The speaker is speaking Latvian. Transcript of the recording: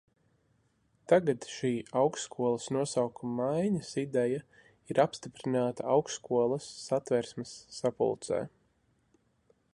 Tātad šī augstskolas nosaukuma maiņas ideja ir apstiprināta augstskolas Satversmes sapulcē.